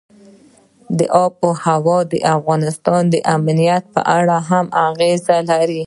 آب وهوا د افغانستان د امنیت په اړه هم اغېز لري.